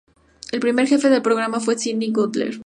El primer jefe del programa fue Sidney Gottlieb.